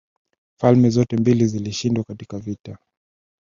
Falme zote mbili zilishindwa katika vita